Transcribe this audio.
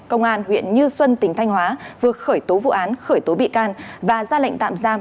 công an huyện như xuân tỉnh thanh hóa vừa khởi tố vụ án khởi tố bị can và ra lệnh tạm giam